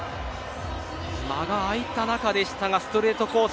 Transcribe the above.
間が空いた中でしたがストレートコース